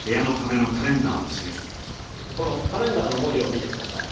このカレンダーの文字を見てください。